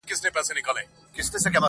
• خدای ورکړی وو کمال په تول تللی -